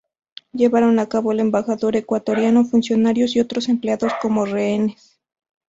Llevaron a cabo el embajador ecuatoriano, funcionarios y otros empleados como rehenes.